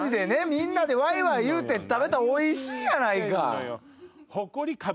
みんなでワイワイ言うて食べたらおいしいやないか！